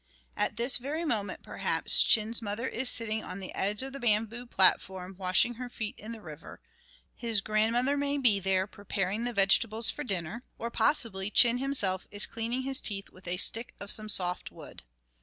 At this very moment, perhaps, Chin's mother is sitting on the edge of the bamboo platform, washing her feet in the river; his grandmother may be there preparing the vegetables for dinner; or, possibly, Chin himself is cleaning his teeth with a stick of some soft wood.